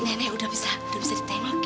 nenek udah bisa udah bisa ditengok